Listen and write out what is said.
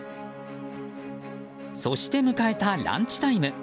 そして、迎えたランチタイム。